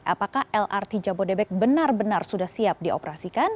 apakah lrt jabodebek benar benar sudah siap dioperasikan